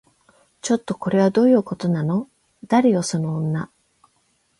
ちょっと、これはどういうことなの？誰よその女